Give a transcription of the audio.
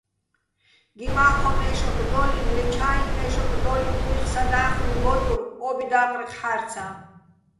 გი მაჴოჼ მე́შოკ დო́ლლინო̆, ლე ჩა́იჼ მე́შოკ დო́ლლინო̆ კუჲხი̆ სადა́ხლუჲ ბო́ტურ ო́ბი და́ყრეხ ხა́რცაჼ.